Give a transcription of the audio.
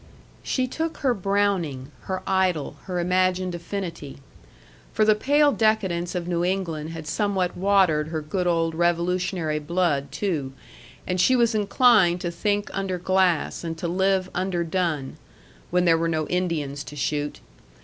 She took her Browning, her idol, her imagined affinity. For the pale decadence of New England had somewhat watered her good old Revolutionary blood too, and she was inclined to think under glass and to live underdone when there were no Indians to shoot!